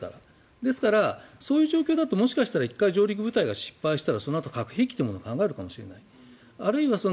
ですからそういう状況だともしかしたら１回、上陸部隊が失敗したらそのあと核兵器も考えるかもしれない。